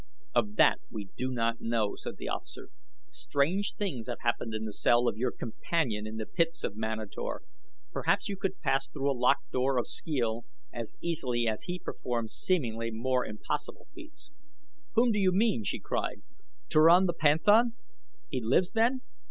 "Of that we do not know," said the officer. "Strange things have happened in the cell of your companion in the pits of Manator. Perhaps you could pass through a locked door of skeel as easily as he performs seemingly more impossible feats." "Whom do you mean," she cried; "Turan the panthan? He lives, then?